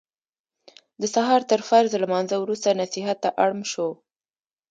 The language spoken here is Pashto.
د سهار تر فرض لمانځه وروسته نصیحت ته اړم شو.